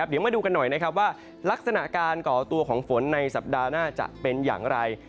เดี๋ยวมาดูกันหน่อยนะครับว่าลักษณะการก่อตัวของฝนในสัปดาห์หน้าจะเป็นอย่างไร